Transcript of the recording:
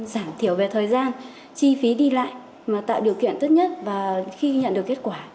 giảm thiểu về thời gian chi phí đi lại mà tạo điều kiện tốt nhất và khi nhận được kết quả